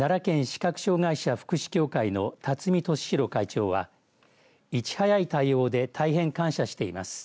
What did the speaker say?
視覚障害者福祉協会の辰巳壽啓会長はいち早い対応で大変感謝しています